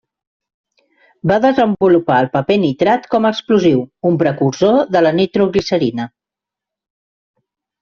Va desenvolupar el paper nitrat com a explosiu, un precursor de la nitroglicerina.